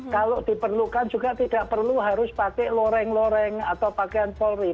kalau diperlukan juga tidak perlu harus pakai loreng loreng atau pakaian polri